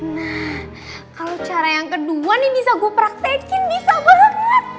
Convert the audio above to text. nah kalau cara yang kedua nih bisa gue praktekin bisa banget